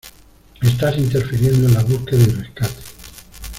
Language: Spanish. ¡ Estás interfiriendo en la búsqueda y rescate!